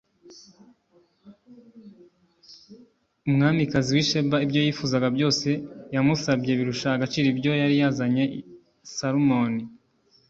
umwamikazi w i sheba ibyo yifuzaga byose yamusabye birusha agaciro ibyo yari yazaniye salomoni